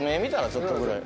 ちょっとぐらい。